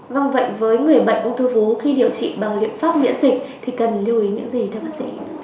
vâng vậy với người bệnh ung thư vú khi điều trị bằng biện pháp miễn dịch thì cần lưu ý những gì thưa bác sĩ